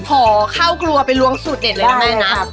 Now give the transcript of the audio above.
พอเข้ากลัวไปล้วงสูตรเด่นเลยนะแม่นะ